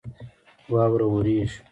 واوره رېږي.